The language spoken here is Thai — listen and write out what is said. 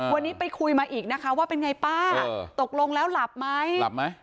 วันนี้ไปคุยมาอีกนะคะว่าเป็นไงป้าตกลงแล้วหลับไหมหลับไหม